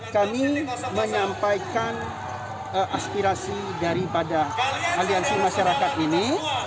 kami menyampaikan aspirasi daripada aliansi masyarakat ini